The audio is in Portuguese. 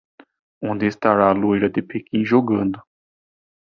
Onde estará a loira de Pequim jogando